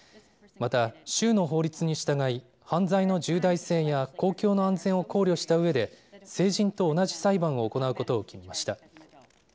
また、州の法律に従い、犯罪の重大性や公共の安全を考慮したうえで、成人と同じ裁判を行うことを決めました。